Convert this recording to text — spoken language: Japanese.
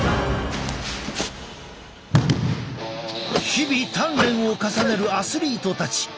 日々鍛錬を重ねるアスリートたち。